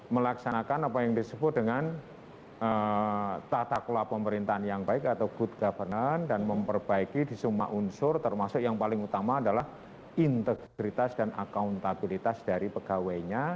melaksanakan apa yang disebut dengan tata kelola pemerintahan yang baik atau good governance dan memperbaiki di semua unsur termasuk yang paling utama adalah integritas dan akuntabilitas dari pegawainya